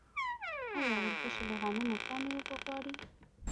آیا وربشې له غنمو کمې اوبه غواړي؟